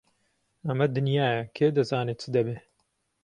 ئەمە دنیایە، کێ دەزانێ چ دەبێ!